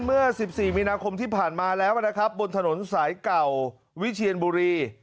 เมื่อ๑๔มีนาคมที่ผ่านมาแล้วนะครับบนถนนสายเก่าวิเชียนบุรี